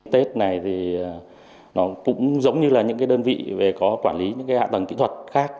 tết này thì nó cũng giống như là những cái đơn vị về có quản lý những cái hạ tầng kỹ thuật khác